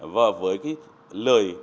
và với cái lời